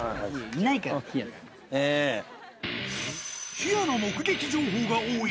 ヒヤの目撃情報が多い